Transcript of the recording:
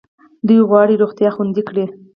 دوی غواړي روغتیا خوندي کړي.